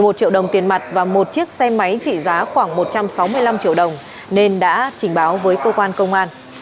một triệu đồng tiền mặt và một chiếc xe máy trị giá khoảng một trăm sáu mươi năm triệu đồng nên đã trình báo với cơ quan công an